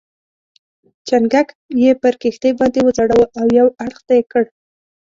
چنګک یې پر کښتۍ باندې وځړاوه او یو اړخ ته یې کړ.